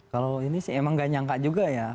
kalau ini sih emang gak nyangka juga ya